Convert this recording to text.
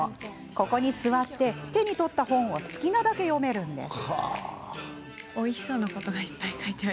ここに座って、手に取った本を好きなだけ読めるんです。